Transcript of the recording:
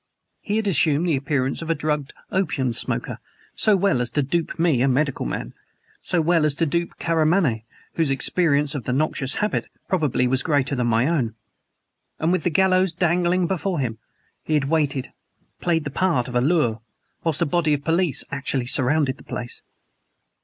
He had assumed the appearance of a drugged opium smoker so well as to dupe me a medical man; so well as to dupe Karamaneh whose experience of the noxious habit probably was greater than my own. And, with the gallows dangling before him, he had waited played the part of a lure whilst a body of police actually surrounded the place!